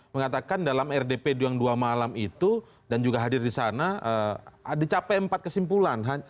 mengatakan dalam rdp dua puluh dua malam itu dan juga hadir di sana dicapai empat kesimpulan